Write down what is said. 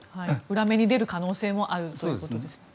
裏目に出る可能性もあるということですね。